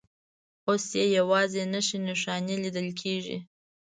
اوس یې یوازې نښې نښانې لیدل کېږي.